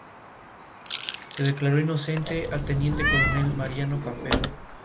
Azúcar Moreno reaccionaron retirándose del escenario al darse cuenta de que había un fallo.